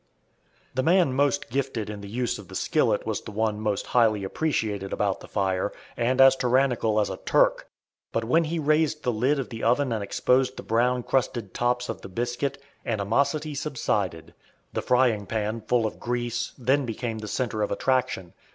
The man most gifted in the use of the skillet was the one most highly appreciated about the fire, and as tyrannical as a Turk; but when he raised the lid of the oven and exposed the brown crusted tops of the biscuit, animosity subsided. The frying pan, full of "grease," then became the centre of attraction.